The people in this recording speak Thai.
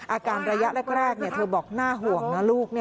อาการระยะแรกเธอบอกน่าห่วงนะลูก